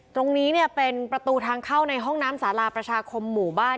ตรงนี้เนี่ยเป็นประตูทางเข้าในห้องน้ำสาราประชาคมหมู่บ้าน